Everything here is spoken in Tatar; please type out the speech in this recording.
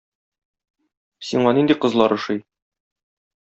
Сиңа нинди кызлар ошый?